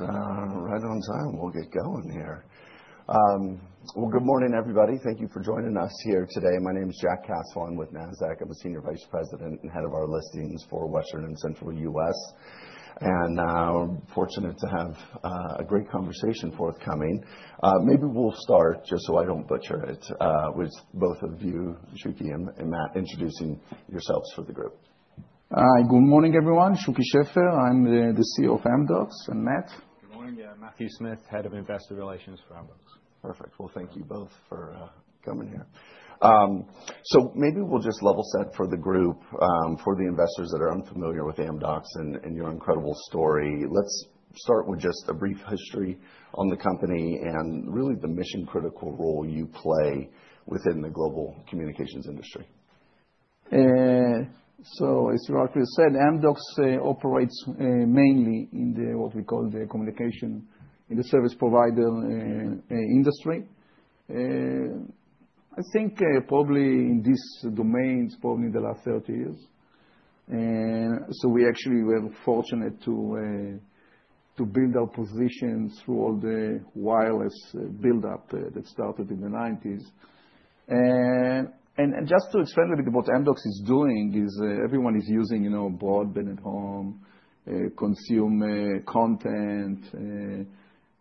All right. Right on time. We'll get going here. Good morning, everybody. Thank you for joining us here today. My name's Jack Cassel. I'm with Nasdaq. I'm a Senior Vice President and Head of our Listings for Western and Central US. Fortunate to have a great conversation forthcoming. Maybe we'll start, just so I don't butcher it, with both of you, Shuky and Matt, introducing yourselves for the group. Hi. Good morning, everyone. Shuky Sheffer. I'm the, the CEO of Amdocs. And Matt. Good morning. Yeah. Matthew Smith, Head of Investor Relations for Amdocs. Perfect. Thank you both for coming here. Maybe we'll just level set for the group, for the investors that are unfamiliar with Amdocs and your incredible story. Let's start with just a brief history on the company and really the mission-critical role you play within the global communications industry. As you rightly said, Amdocs operates mainly in what we call the communication and the service provider industry. I think probably in this domain, it's probably in the last 30 years. We actually were fortunate to build our position through all the wireless buildup that started in the 1990s. Just to explain a little bit what Amdocs is doing is, everyone is using, you know, broadband at home, consume content.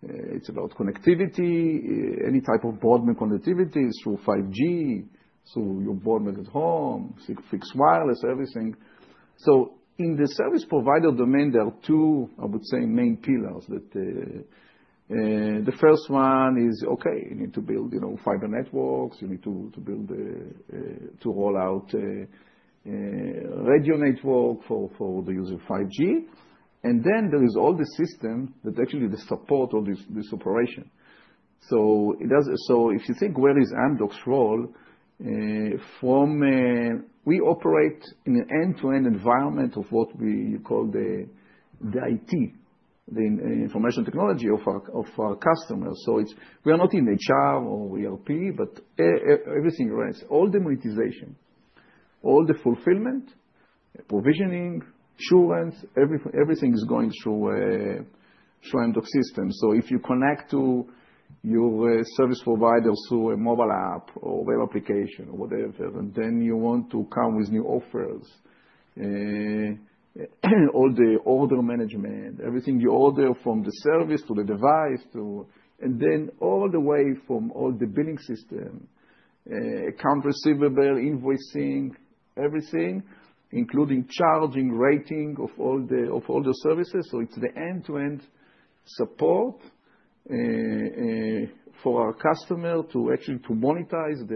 It's about connectivity. Any type of broadband connectivity is through 5G, through your broadband at home, fixed wireless, everything. In the service provider domain, there are two, I would say, main pillars. The first one is, okay, you need to build, you know, fiber networks. You need to build, to roll out, radio network for the user of 5G. There is all the system that actually supports all this, this operation. It does, so if you think where is Amdocs' role, we operate in an end-to-end environment of what we call the IT, the information technology of our customers. We are not in HR or ERP, but everything rests, all the monetization, all the fulfillment, provisioning, insurance, everything, everything is going through Amdocs' system. If you connect to your service providers through a mobile app or web application or whatever, and you want to come with new offers, all the order management, everything you order from the service to the device, and then all the way from all the billing system, account receivable, invoicing, everything, including charging, rating of all the services. It's the end-to-end support for our customer to actually monetize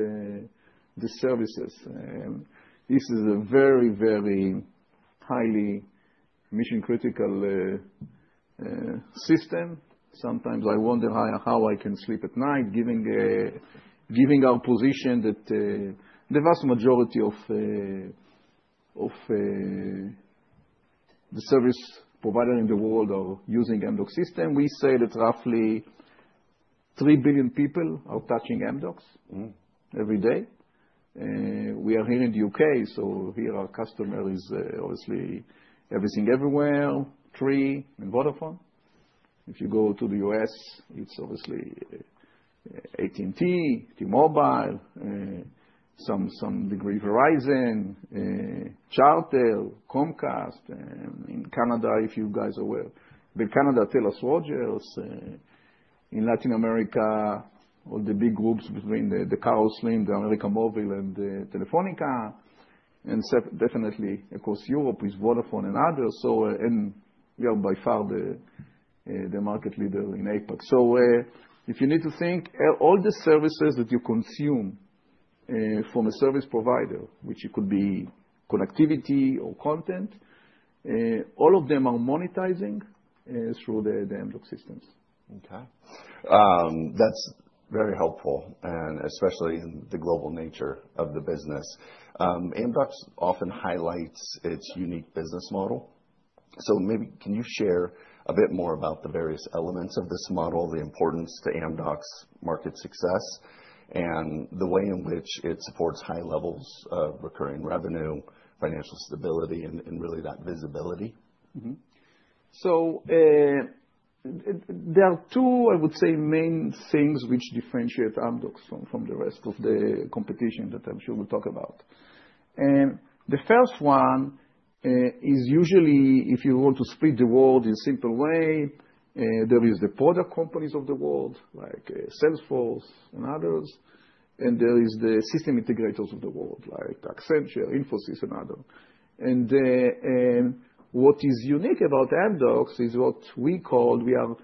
the services. This is a very, very highly mission-critical system. Sometimes I wonder how I can sleep at night, given our position that the vast majority of the service providers in the world are using Amdocs' system. We say that roughly three billion people are touching Amdocs. Mm-hmm. Every day. We are here in the U.K., so here our customer is, obviously Everything Everywhere, Three, and Vodafone. If you go to the U.S., it's obviously AT&T, T-Mobile, to some degree Verizon, Charter, Comcast, and in Canada, if you guys are aware, the Canada TELUS, Rogers, in Latin America, all the big groups between the, the Carlos Slim, the América Móvil, and the Telefónica. Definitely across Europe is Vodafone and others. We are by far the market leader in APAC. If you need to think, all the services that you consume from a service provider, which could be connectivity or content, all of them are monetizing through the Amdocs' systems. Okay. That's very helpful, and especially in the global nature of the business. Amdocs often highlights its unique business model. Maybe can you share a bit more about the various elements of this model, the importance to Amdocs' market success, and the way in which it supports high levels of recurring revenue, financial stability, and really that visibility? Mm-hmm. There are two, I would say, main things which differentiate Amdocs from the rest of the competition that I'm sure we'll talk about. The first one is usually, if you were to split the world in a simple way, there is the product companies of the world, like Salesforce and others. There is the system integrators of the world, like Accenture, Infosys, and others. What is unique about Amdocs is what we call we are a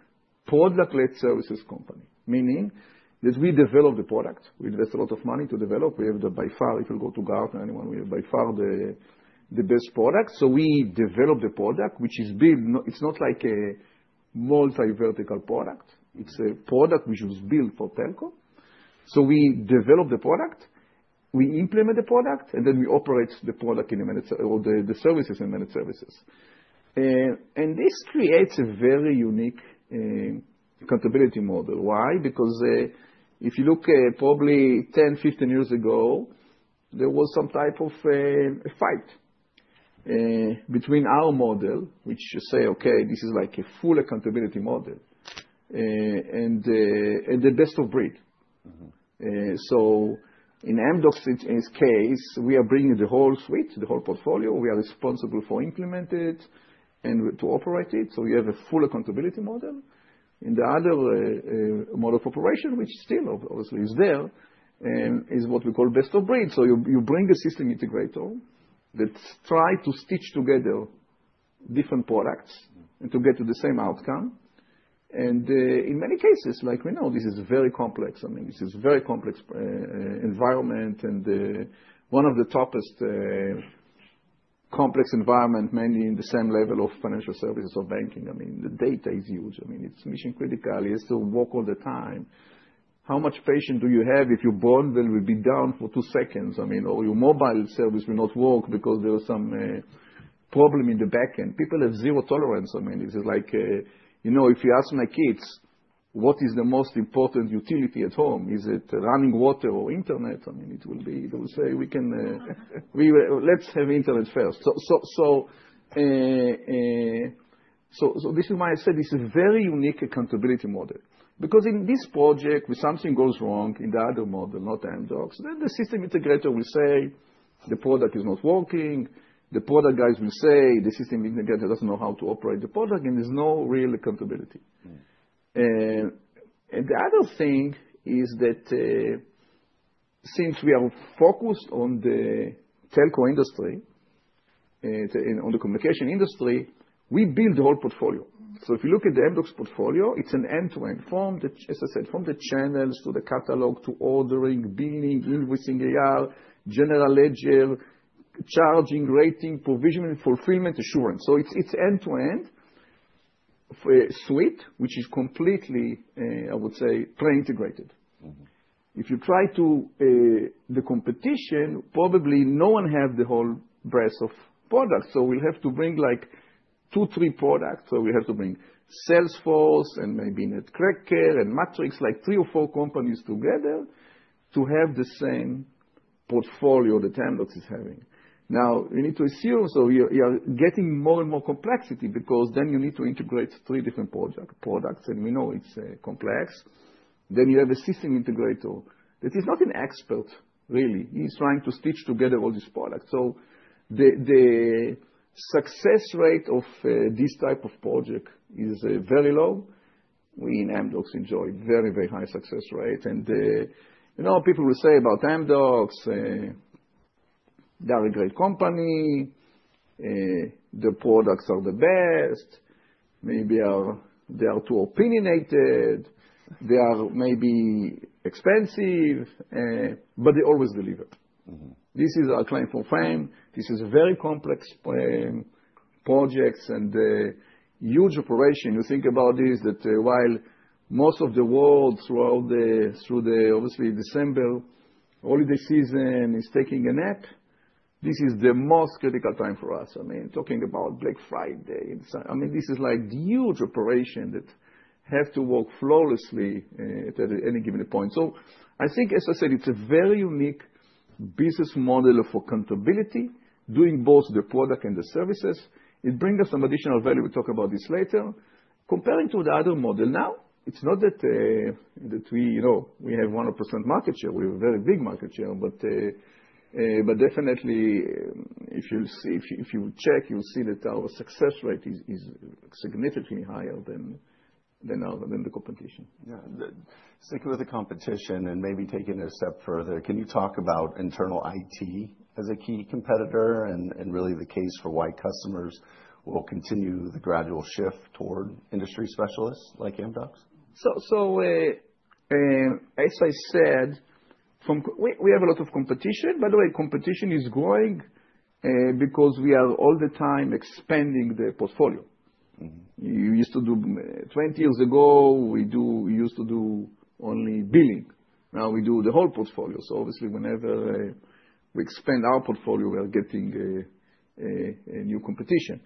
product-led services company, meaning that we develop the product. We invest a lot of money to develop. We have by far, if you go to Gartner, anyone, we have by far the best product. We develop the product, which is built—no, it's not like a multi-vertical product. It's a product which was built for Telco. We develop the product, we implement the product, and then we operate the product in a minute or the services in a minute services. This creates a very unique accountability model. Why? Because, if you look, probably 10, 15 years ago, there was some type of a fight between our model, which you say, "Okay, this is like a fully accountability model," and the best of breed. Mm-hmm. In Amdocs' case, we are bringing the whole suite, the whole portfolio. We are responsible for implementing it and to operate it. You have a fully accountability model. The other model of operation, which still obviously is there, is what we call best of breed. You bring a system integrator that's trying to stitch together different products. Mm-hmm. To get to the same outcome. In many cases, like we know, this is very complex. I mean, this is a very complex environment. One of the toughest, complex environments, mainly in the same level of financial services or banking. I mean, the data is huge. I mean, it's mission-critical. You still work all the time. How much patience do you have if your bundle will be down for two seconds? I mean, or your mobile service will not work because there is some problem in the backend. People have zero tolerance. I mean, this is like, you know, if you ask my kids, "What is the most important utility at home? Is it running water or internet? I mean, it will be they will say, "We can, we let's have internet first." This is why I said this is a very unique accountability model. Because in this project, if something goes wrong in the other model, not Amdocs, then the system integrator will say the product is not working. The product guys will say the system integrator doesn't know how to operate the product, and there's no real accountability. Mm-hmm. and the other thing is that, since we are focused on the telco industry, on the communication industry, we build the whole portfolio. Mm-hmm. If you look at the Amdocs portfolio, it's end-to-end from the, as I said, from the channels to the catalog to ordering, billing, invoicing, AR, general ledger, charging, rating, provisioning, fulfillment, assurance. It's end-to-end, suite, which is completely, I would say, pre-integrated. Mm-hmm. If you try to, the competition, probably no one has the whole breadth of products. You will have to bring like two, three products. You have to bring Salesforce and maybe Netcracker and MATRIXX, like three or four companies together to have the same portfolio that Amdocs is having. Now, we need to assume, so you are, you are getting more and more complexity because then you need to integrate three different products, and we know it is complex. You have a system integrator that is not an expert, really. He is trying to stitch together all these products. The success rate of this type of project is very low. We in Amdocs enjoy very, very high success rate. You know, people will say about Amdocs, they are a great company. Their products are the best. Maybe they are too opinionated. They are maybe expensive, but they always deliver. Mm-hmm. This is our claim for fame. This is a very complex project, and huge operation. You think about this that, while most of the world throughout the, obviously, December holiday season is taking a nap, this is the most critical time for us. I mean, talking about Black Friday and such. I mean, this is like huge operation that has to work flawlessly, at any given point. I think, as I said, it's a very unique business model for accountability, doing both the product and the services. It brings us some additional value. We'll talk about this later. Comparing to the other model now, it's not that we, you know, we have 100% market share. We have a very big market share. If you'll see, if you check, you'll see that our success rate is significantly higher than the competition. Yeah. Sticking with the competition and maybe taking it a step further, can you talk about Internal IT as a key competitor and really the case for why customers will continue the gradual shift toward industry specialists like Amdocs? As I said, we have a lot of competition. By the way, competition is growing, because we are all the time expanding the portfolio. Mm-hmm. You used to do, 20 years ago, we do, we used to do only billing. Now we do the whole portfolio. Obviously, whenever we expand our portfolio, we are getting a new competition.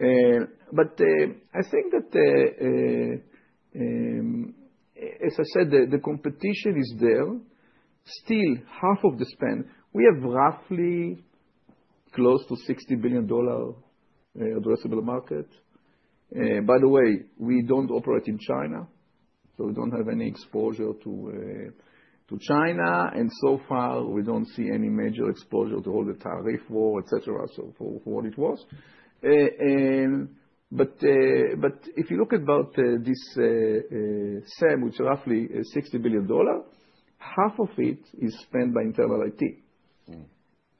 I think that, as I said, the competition is there. Still, half of the spend, we have roughly close to $60 billion addressable market. By the way, we do not operate in China, so we do not have any exposure to China. So far, we do not see any major exposure to all the tariff war, etc., for what it was. If you look at this [SEM], which is roughly $60 billion, half of it is spent by Internal IT. Mm-hmm.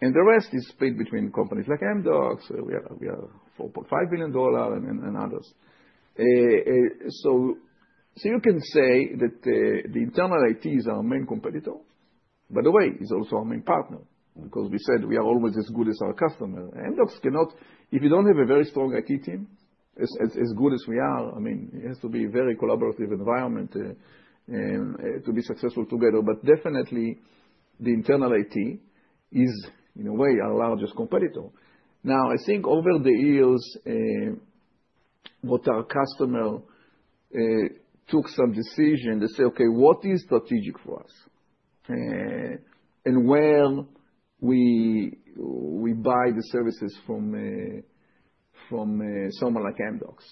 The rest is split between companies like Amdocs. We are $4.5 billion and others. You can say that the Internal IT is our main competitor. By the way, it is also our main partner. Mm-hmm. Because we said we are always as good as our customer. Amdocs cannot, if you do not have a very strong IT team as good as we are, I mean, it has to be a very collaborative environment to be successful together. Definitely, the Internal IT is, in a way, our largest competitor. Now, I think over the years, what our customer took some decision to say, "Okay, what is strategic for us?" and where we buy the services from someone like Amdocs.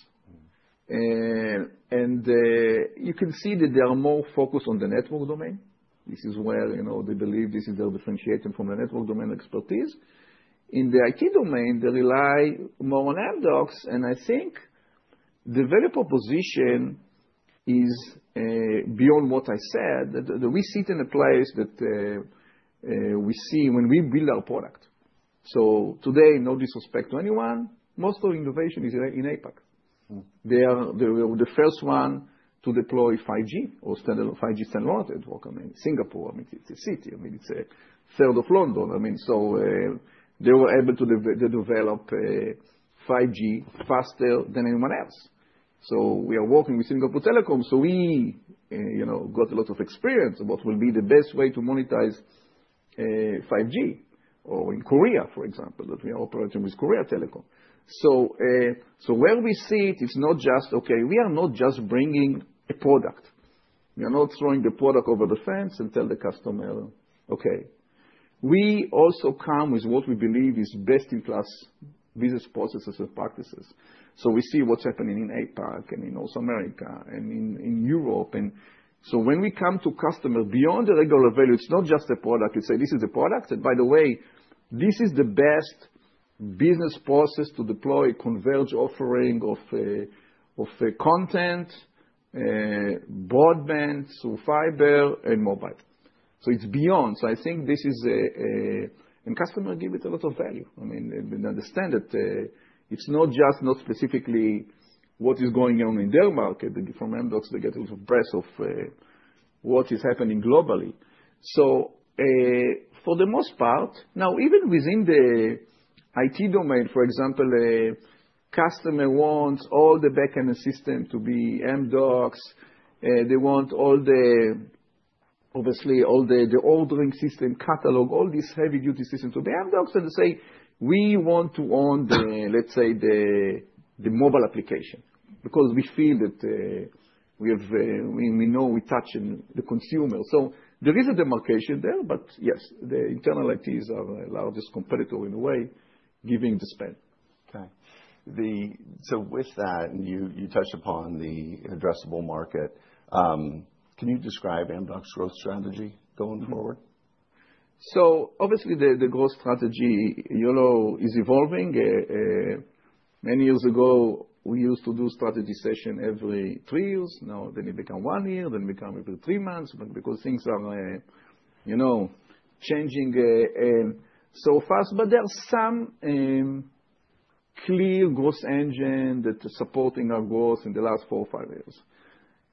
Mm-hmm. You can see that they are more focused on the network domain. This is where, you know, they believe this is their differentiating from the network domain expertise. In the IT domain, they rely more on Amdocs. I think the value proposition is, beyond what I said, that we sit in a place that we see when we build our product. Today, no disrespect to anyone, most of the innovation is in APAC. Mm-hmm. They are the first one to deploy 5G or standalone 5G standalone network. I mean, Singapore, I mean, it's a city. I mean, it's 1/3 of London. I mean, so, they were able to develop 5G faster than anyone else. We are working with Singapore Telecom. We, you know, got a lot of experience about what will be the best way to monetize 5G, or in Korea, for example, that we are operating with Korea Telecom. Where we see it, it's not just, "Okay, we are not just bringing a product. We are not throwing the product over the fence and tell the customer, 'Okay.'" We also come with what we believe is best-in-class business processes and practices. We see what's happening in APAC and in North America and in Europe. When we come to customer beyond the regular value, it's not just a product. You say, "This is a product." By the way, this is the best business process to deploy converged offering of content, broadband through fiber and mobile. It's beyond. I think this is a, and customer give it a lot of value. I mean, they understand that it's not just not specifically what is going on in their market, but from Amdocs, they get a little breath of what is happening globally. For the most part, now, even within the IT domain, for example, customer wants all the backend system to be Amdocs. They want all the, obviously, all the ordering system catalog, all this heavy-duty system to be Amdocs. They say, "We want to own the, let's say, the mobile application because we feel that we have, we know we touch in the consumer." There is a demarcation there, but yes, the internal ITs are our largest competitor in a way, giving the spend. Okay. So with that, and you, you touched upon the addressable market. Can you describe Amdocs' growth strategy going forward? Obviously, the growth strategy, you know, is evolving. Many years ago, we used to do strategy session every three years. Now, then it become one year, then it become every three months because things are, you know, changing so fast. But there are some clear growth engine that are supporting our growth in the last four or five years.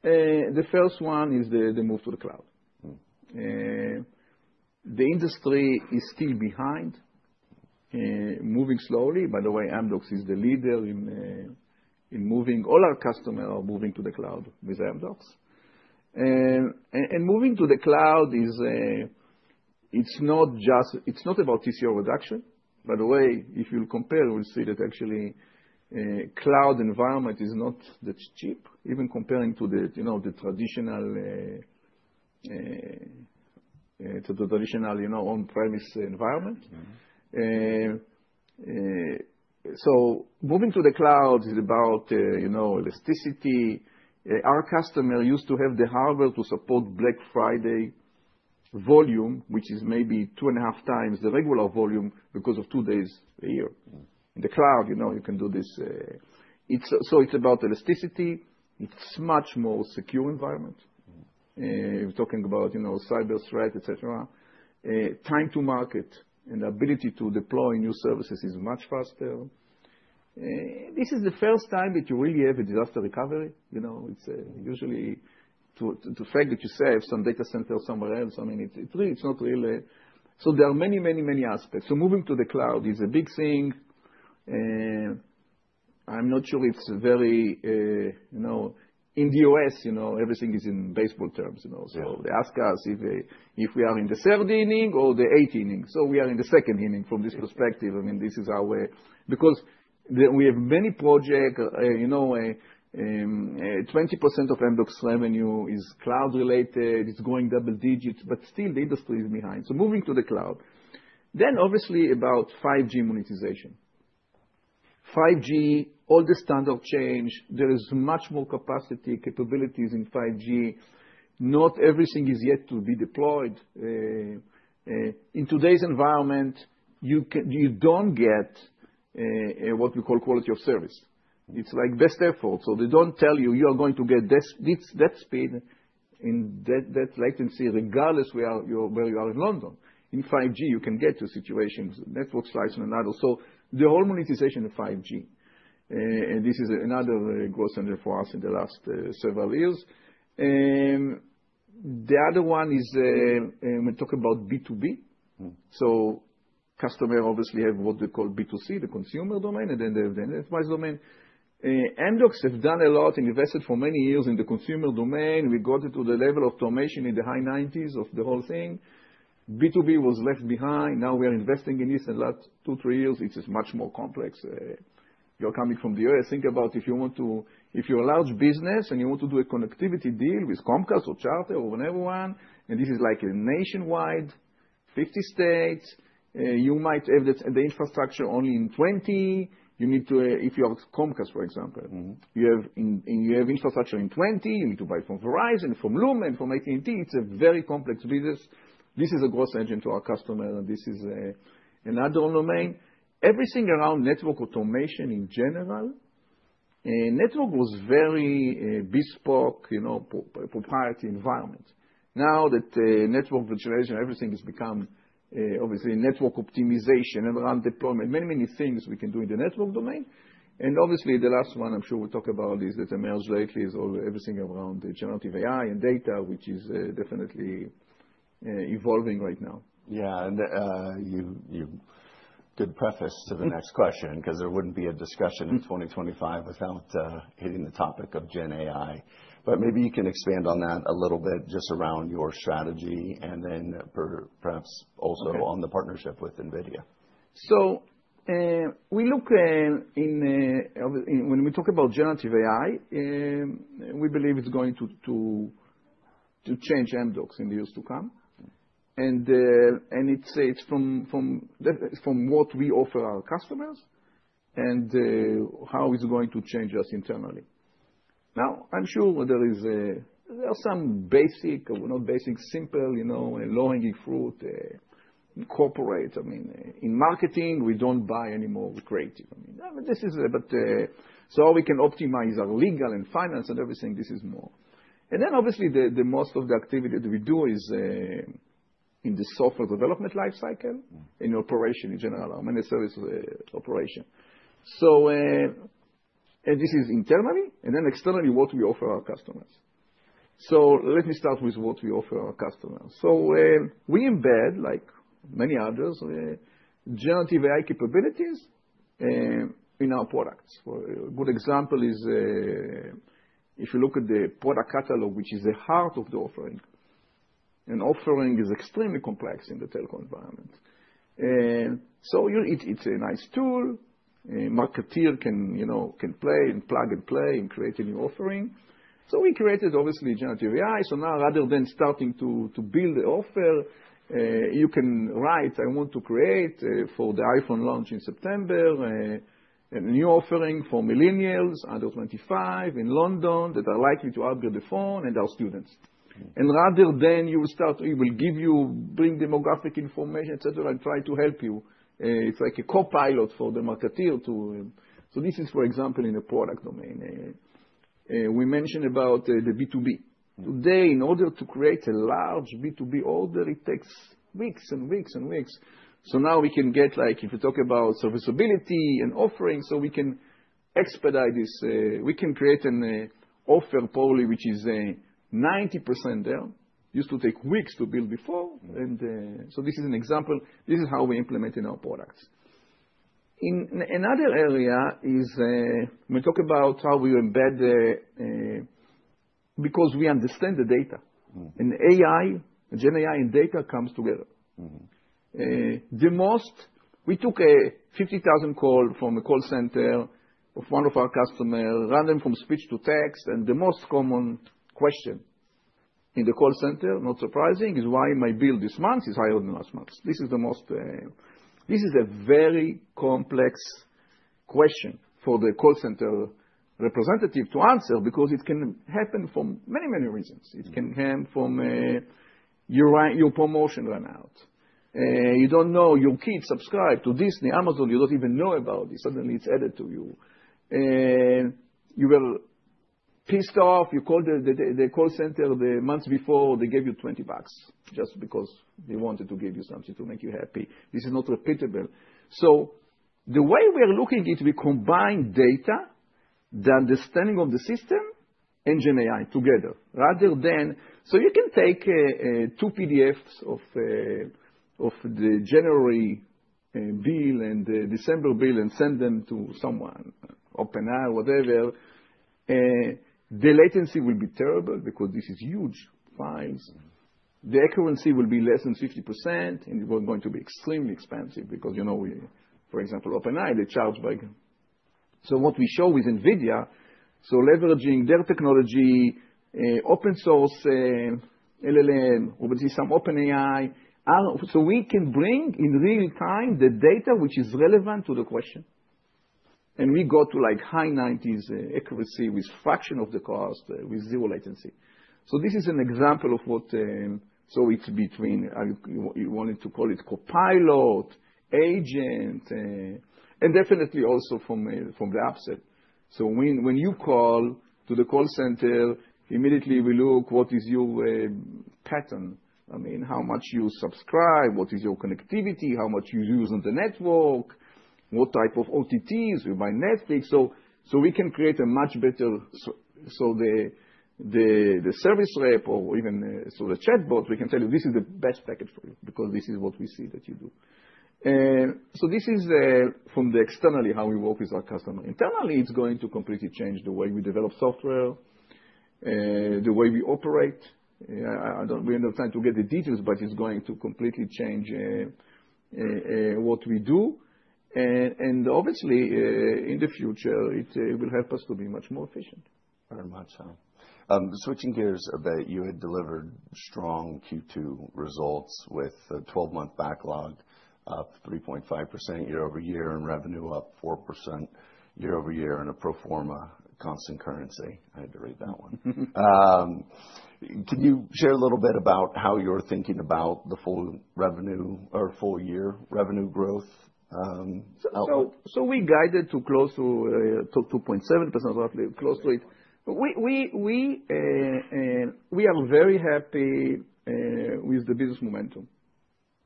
The first one is the move to the cloud. Mm-hmm. The industry is still behind, moving slowly. By the way, Amdocs is the leader in moving all our customers are moving to the cloud with Amdocs. Moving to the cloud is, it's not just, it's not about TCO reduction. By the way, if you'll compare, you will see that actually, cloud environment is not that cheap, even comparing to the, you know, the traditional, you know, on-premise environment. Mm-hmm. Moving to the cloud is about, you know, elasticity. Our customer used to have the hardware to support Black Friday volume, which is maybe two and a half times the regular volume because of two days a year. Mm-hmm. In the cloud, you know, you can do this. It's so, it's about elasticity. It's a much more secure environment. Mm-hmm. Talking about, you know, cyber threat, etc., time to market and the ability to deploy new services is much faster. This is the first time that you really have a disaster recovery. You know, it's usually to, to fact that you save some data center somewhere else. I mean, it's, it's really, it's not really, so there are many, many, many aspects. Moving to the cloud is a big thing. I'm not sure it's very, you know, in the U.S., you know, everything is in baseball terms, you know. Mm-hmm. They ask us if we are in the third inning or the eighth inning. We are in the second inning from this perspective. Mm-hmm. I mean, this is our, because then we have many projects, you know, 20% of Amdocs' revenue is cloud-related. It's going double-digits, but still the industry is behind. Moving to the cloud, then obviously about 5G monetization. 5G, all the standard change. There is much more capacity, capabilities in 5G. Not everything is yet to be deployed. In today's environment, you can, you don't get, what we call quality of service. Mm-hmm. It's like best effort. They do not tell you you are going to get this, this, that speed and that, that latency regardless where you are, where you are in London. In 5G, you can get to situations, network slicing and others. The whole monetization of 5G, this is another growth engine for us in the last several years. The other one is, we talk about B2B. Mm-hmm. Customers obviously have what they call B2C, the consumer domain, and then they have the enterprise domain. Amdocs have done a lot and invested for many years in the consumer domain. We got it to the level of automation in the high 90s of the whole thing. B2B was left behind. Now we are investing in this in the last two, three years. It's much more complex. You're coming from the U.S. Think about if you want to, if you're a large business and you want to do a connectivity deal with Comcast or Charter or whatever one, and this is like a nationwide 50 states, you might have the infrastructure only in 20. You need to, if you are Comcast, for example. Mm-hmm. You have infrastructure in 20. You need to buy from Verizon and from Lumen and from AT&T. It's a very complex business. This is a growth engine to our customer. This is another domain. Everything around network automation in general, network was very bespoke, you know, proprietary environment. Now that network virtualization, everything has become, obviously network optimization and around deployment, many, many things we can do in the network domain. Obviously, the last one I'm sure we'll talk about is that emerged lately is all everything around the generative AI and data, which is definitely evolving right now. Yeah. You, you good preface to the next question because there wouldn't be a discussion in 2025 without hitting the topic of GenAI. Maybe you can expand on that a little bit just around your strategy and then perhaps also on the partnership with NVIDIA. We look, obviously when we talk about Generative AI, we believe it's going to change Amdocs in the years to come. Mm-hmm. It's from what we offer our customers and how it's going to change us internally. Now, I'm sure there are some basic, not basic, simple, you know, low-hanging fruit, incorporate. I mean, in marketing, we don't buy anymore with creative. I mean, this is, but we can optimize our legal and finance and everything. This is more. Obviously, most of the activity that we do is in the software development lifecycle. Mm-hmm. In operation in general, our many service, operation. This is internally and then externally what we offer our customers. Let me start with what we offer our customers. We embed, like many others, Generative AI capabilities in our products. For a good example is, if you look at the product catalog, which is the heart of the offering. Offering is extremely complex in the telco environment. You, it, it's a nice tool. [Marketeer] can, you know, can play and plug and play and create a new offering. We created obviously Generative AI. Now rather than starting to build the offer, you can write, "I want to create, for the iPhone launch in September, a new offering for millennials, under 25 in London that are likely to outbid the phone and are students. Mm-hmm. Rather than you will start, it will give you, [big] demographic information, etc., and try to help you. It's like a co-pilot for the marketeer to, so this is, for example, in the product domain. We mentioned about, the B2B. Mm-hmm. Today, in order to create a large B2B order, it takes weeks and weeks and weeks. Now we can get like, if you talk about serviceability and offering, we can expedite this, we can create an offer probably which is 90% there. Used to take weeks to build before. Mm-hmm. This is an example. This is how we implement in our products. In another area is, we talk about how we embed, because we understand the data. Mm-hmm. AI, GenAI and data comes together. Mm-hmm. We took a 50,000 call from a call center of one of our customer, ran them from speech to text, and the most common question in the call center, not surprising, is, "Why my bill this month is higher than last month?" This is a very complex question for the call center representative to answer because it can happen for many, many reasons. Mm-hmm. It can come from, your promotion ran out. You do not know your kid subscribed to Disney, Amazon. You do not even know about it. Suddenly it is added to you. You were pissed off. You called the call center the month before. They gave you $20 just because they wanted to give you something to make you happy. This is not repeatable. The way we are looking at it, we combine data, the understanding of the system, and GenAI together rather than so you can take two PDFs of the January bill and the December bill and send them to someone, OpenAI, whatever. The latency will be terrible because this is huge files. Mm-hmm. The accuracy will be less than 50%, and it was going to be extremely expensive because, you know, we, for example, OpenAI, they charge by. What we show with NVIDIA, leveraging their technology, open source, LLM, obviously some OpenAI, our, so we can bring in real time the data which is relevant to the question. And we got to like high 90% accuracy with a fraction of the cost, with zero -latency. This is an example of what, so it's between, I wanted to call it copilot, agent, and definitely also from the app side. When you call to the call center, immediately we look what is your pattern. I mean, how much you subscribe, what is your connectivity, how much you use on the network, what type of OTTs. We buy Netflix. We can create a much better, so the service rep or even the chatbot, we can tell you this is the best package for you because this is what we see that you do. This is, from the externally how we work with our customer. Internally, it's going to completely change the way we develop software, the way we operate. I don't, we don't have time to get the details, but it's going to completely change what we do. Obviously, in the future, it will help us to be much more efficient. Very much so. Switching gears a bit, you had delivered strong Q2 results with a 12-month backlog up 3.5% year-over-year and revenue up 4% year-over-year and a pro forma constant currency. I had to read that one. Can you share a little bit about how you're thinking about the full revenue or full year revenue growth, outlook? So we guided to close to 2.7%, roughly close to it. Mm-hmm. We are very happy with the business momentum.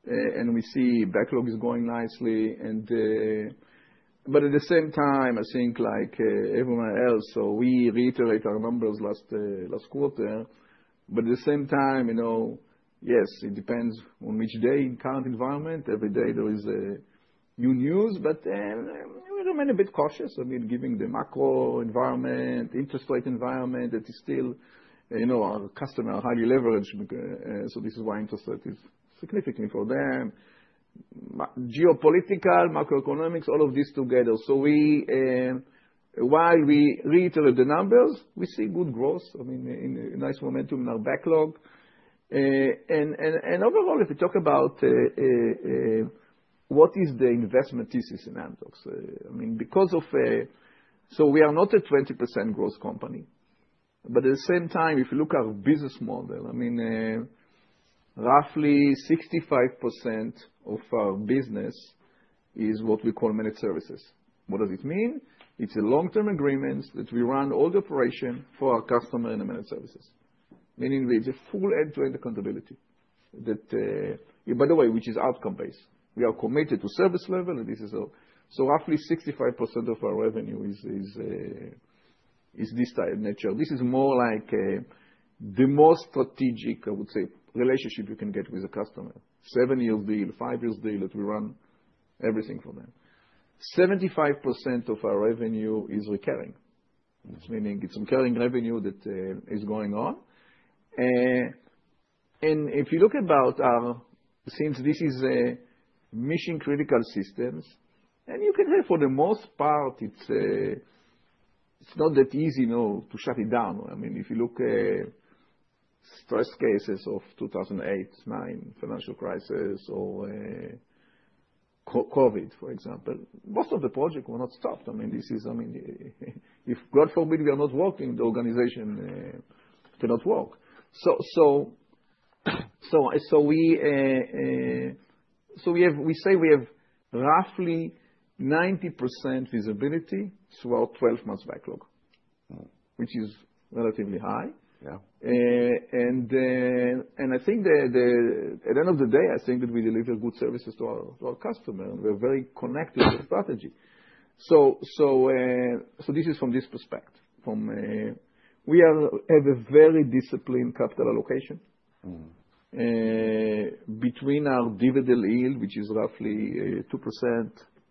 We see backlog is going nicely. At the same time, I think like everyone else, we reiterate our numbers last quarter. At the same time, you know, yes, it depends on which day in current environment. Every day there is new news, but we remain a bit cautious. I mean, given the macro-environment, interest rate environment that is still, you know, our customers are highly leveraged because, so this is why interest rate is significant for them. Geopolitical, macroeconomics, all of this together. While we reiterate the numbers, we see good growth. I mean, a nice momentum in our backlog. Overall, if we talk about what is the investment thesis in Amdocs, I mean, because of, so we are not a 20% growth company. At the same time, if you look at our business model, I mean, roughly 65% of our business is what we call managed services. What does it mean? It is a long-term agreement that we run all the operation for our customer in the managed services. Meaning it is a full end-to-end accountability that, by the way, which is outcome-based. We are committed to service level, and this is, so roughly 65% of our revenue is this type of nature. This is more like, the most strategic, I would say, relationship you can get with a customer. Seven years deal, five years deal that we run everything for them. 75% of our revenue is recurring. Mm-hmm. It's meaning it's recurring revenue that is going on. If you look about our, since this is mission-critical systems, and you can say for the most part, it's not that easy, you know, to shut it down. I mean, if you look, stress cases of 2008, 2009 financial crisis or COVID, for example, most of the project were not stopped. I mean, this is, I mean, if God forbid we are not working, the organization cannot work. We have, we say we have roughly 90% visibility throughout 12 months backlog. Mm-hmm. Which is relatively high. Yeah. I think at the end of the day, I think that we deliver good services to our customer, and we're very connected to the strategy. This is from this perspective. We have a very disciplined capital allocation. Mm-hmm. Between our dividend yield, which is roughly 2%.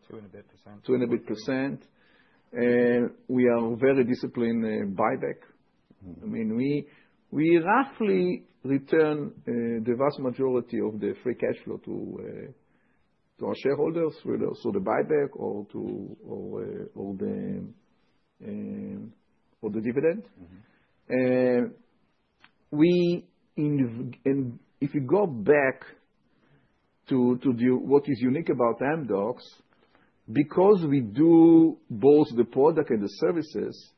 Two and a bit percent. Two and a bit percent. We are very disciplined, buyback. Mm-hmm. I mean, we roughly return the vast majority of the free cash flow to our shareholders through the buyback or the dividend. Mm-hmm. If you go back to what is unique about Amdocs, because we do both the product and the services,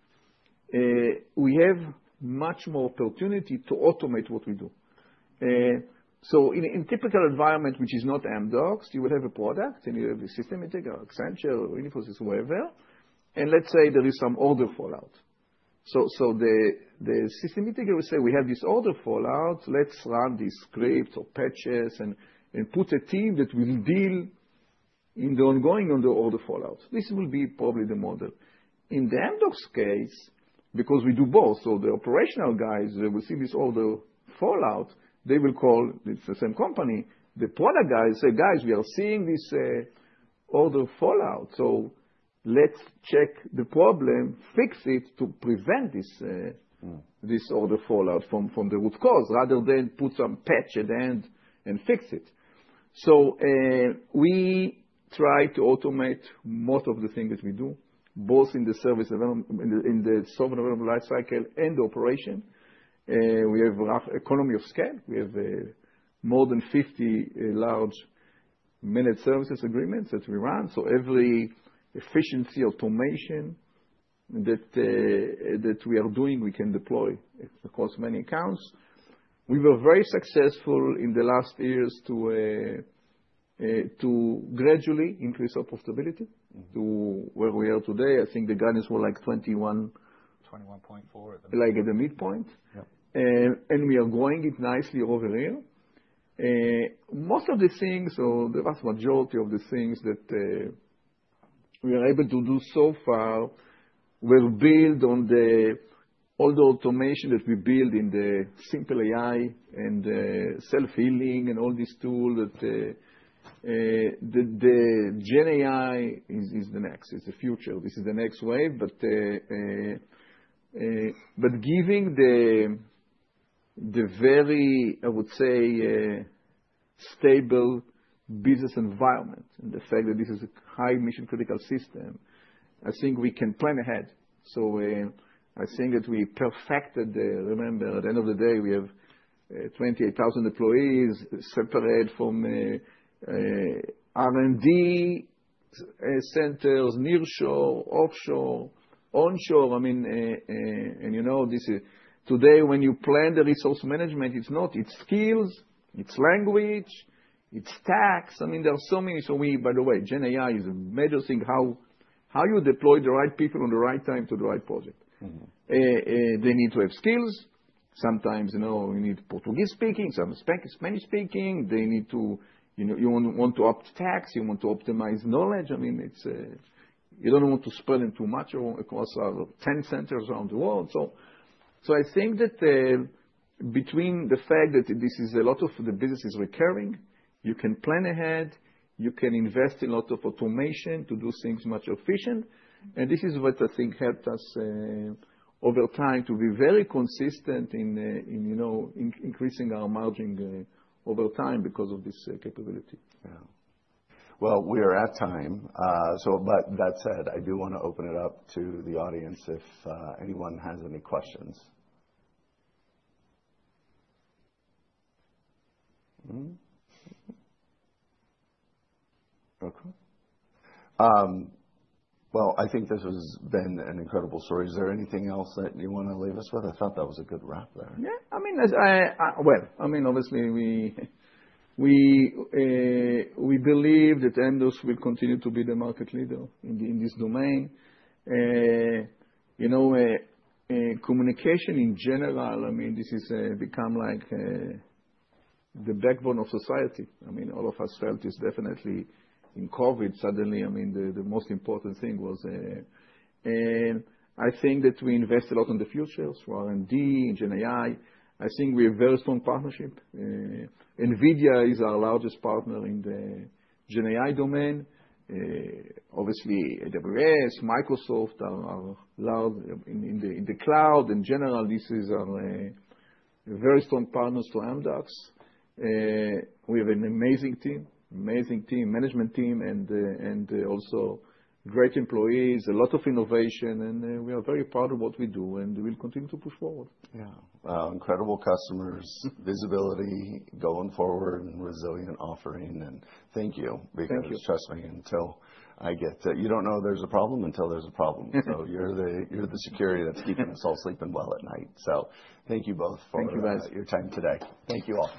we have much more opportunity to automate what we do. In a typical environment, which is not Amdocs, you will have a product and you have a system integrator, Accenture or Infosys, wherever. Let's say there is some order fallout. The system integrator will say, "We have this order fallout. Let's run these scripts or patches and put a team that will deal in the ongoing on the order fallout." This will be probably the model. In the Amdocs case, because we do both, the operational guys will receive this order fallout. They will call, it's the same company. The product guys say, "Guys, we are seeing this order fallout. Let's check the problem, fix it to prevent this. Mm-hmm. This order fallout from the root cause rather than put some patch at the end and fix it. We try to automate most of the thing that we do, both in the service development, in the software development lifecycle and the operation. We have rough economy of scale. We have more than 50 large managed services agreements that we run. Every efficiency automation that we are doing, we can deploy across many accounts. We were very successful in the last years to gradually increase our profitability. Mm-hmm. To where we are today. I think the guidance were like 21. 21.4 at the. Like at the midpoint. Yep. We are growing it nicely over here. Most of the things, or the vast majority of the things that we are able to do so far will build on the old automation that we built in the Simple AI and self-healing and all these tools, that the GenAI is the next, is the future. This is the next wave. Given the very, I would say, stable business environment and the fact that this is a high mission-critical system, I think we can plan ahead. I think that we perfected the, remember, at the end of the day, we have 28,000 employees separate from R&D, centers, nearshore, offshore, onshore. I mean, you know, this is today when you plan the resource management, it's not, it's skills, it's language, it's tax. I mean, there are so many. By the way, GenAI is a major thing. How you deploy the right people on the right time to the right project. Mm-hmm. They need to have skills. Sometimes, you know, you need Portuguese speaking, some Spanish speaking. They need to, you know, you want to up tax. You want to optimize knowledge. I mean, you don't want to spread them too much across our 10 centers around the world. I think that, between the fact that a lot of the business is recurring, you can plan ahead. You can invest in a lot of automation to do things much efficient. This is what I think helped us, over time, to be very consistent in, you know, increasing our margin over time because of this capability. Yeah. We are at time, so, but that said, I do wanna open it up to the audience if anyone has any questions. Okay. I think this has been an incredible story. Is there anything else that you wanna leave us with? I thought that was a good wrap there. Yeah. I mean, as I, I mean, obviously we believe that Amdocs will continue to be the market leader in this domain. You know, communication in general, I mean, this has become like the backbone of society. I mean, all of us felt this definitely in COVID. Suddenly, I mean, the most important thing was, and I think that we invest a lot in the future through R&D and GenAI. I think we have very strong partnership. NVIDIA is our largest partner in the GenAI domain. Obviously AWS, Microsoft are large in the cloud. In general, these are very strong partners to Amdocs. We have an amazing team, amazing management team, and also great employees, a lot of innovation. We are very proud of what we do, and we will continue to push forward. Yeah. Wow. Incredible customers, visibility going forward, and resilient offering. Thank you. Thank you. Because trust me, until I get, you don't know there's a problem until there's a problem. You're the security that's keeping us all sleeping well at night. Thank you both for. Thank you guys. Your time today. Thank you all.